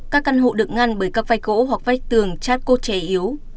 các căn hộ được ngăn bởi các vách gỗ hoặc vách tường chát cô trẻ yếu